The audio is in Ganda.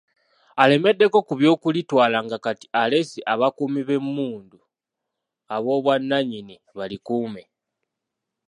Alemeddeko ku by'okulitwala nga kati aleese abakuumi b'emmundu ab'obwannannyini balikuume.